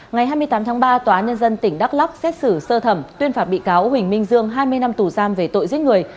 ngày hai mươi tám tháng ba tòa án nhân dân tỉnh đắk lóc xét xử sơ thẩm tuyên phạt bị cáo huỳnh minh dương hai mươi năm tù giam về tội giết người